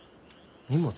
荷物？